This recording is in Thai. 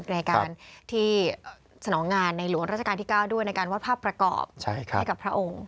ในการที่สนองงานในหลวงราชการที่๙ด้วยในการวาดภาพประกอบให้กับพระองค์